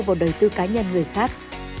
vào đời tư cá nhân người khác